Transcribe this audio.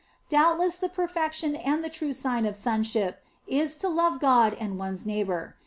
Doubt less the perfection and the true sign of sonship is to love God and one s neighbour.